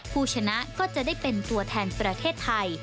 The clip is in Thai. ผู้ชนะก็จะได้เป็นตัวแทนประเทศไทย